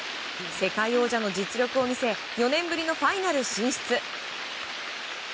世界王者の実力を見せ４年ぶりのファイナル進出。